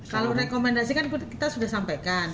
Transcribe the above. kalau rekomendasi kan kita sudah sampaikan